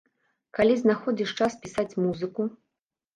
Калі знаходзіш час пісаць музыку?